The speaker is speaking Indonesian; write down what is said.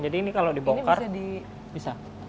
jadi ini kalau dibongkar bisa